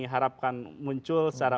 harapkan muncul secara